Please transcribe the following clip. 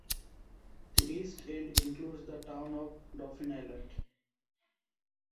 The east end includes the town of Dauphin Island.